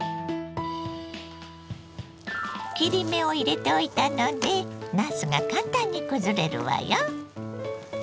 切り目を入れておいたのでなすが簡単にくずれるわよ。